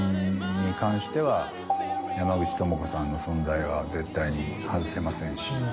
山口智子さんの存在は絶対に外せませんし。